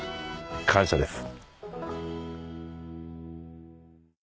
感謝です。